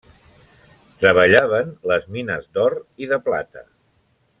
Treballaven les mines d'or i de plata.